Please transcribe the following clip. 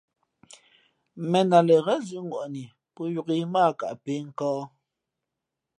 ̀mēn a lα ghén zʉ̄ʼŋwαni pō yōk ǐ mά ǎ kα pēh nkᾱᾱ.